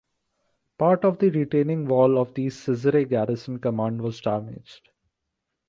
Part of the retaining wall of the Cizre Garrison Command was damaged.